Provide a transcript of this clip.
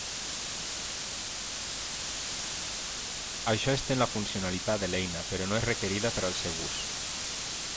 Això estén la funcionalitat de l'eina, però no és requerida per al seu ús.